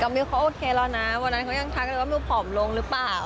มิวเขาโอเคแล้วนะวันนั้นเขายังทักเลยว่าลูกผอมลงหรือเปล่า